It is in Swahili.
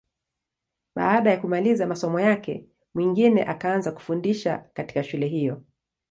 Baada ya kumaliza masomo yake, Mwingine akaanza kufundisha katika shule hiyo.